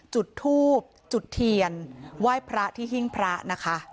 จุดทูบจุดเทียนไหว้พระที่หิ้งพระนะคะ